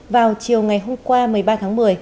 vào chiều ngày hôm qua một mươi ba tháng một mươi